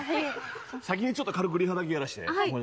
先にちょっと軽くリハだけやらせて。